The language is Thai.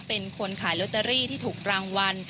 เป็นคนขายลอตเตอรี่ที่ถูกรางวัล